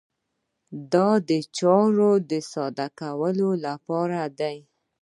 دا د چارو د ساده کولو لپاره دی.